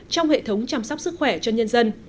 trong hệ thống chăm sóc sức khỏe cho nhân dân